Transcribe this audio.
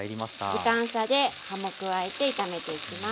時間差で葉も加えて炒めていきます。